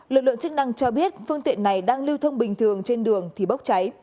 lực lượng chức năng cho biết phương tiện này đang lưu thông bình thường trên đường thì bốc cháy